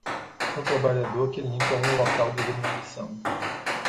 Um trabalhador que limpa um local de demolição.